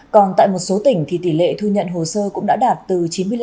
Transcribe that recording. còn tại một số tỉnh thì tỷ lệ thu nhận hồ sơ cũng đã đạt từ chín mươi năm chín mươi tám